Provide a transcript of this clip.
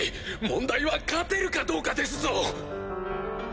問題は勝てるかどうかですぞ！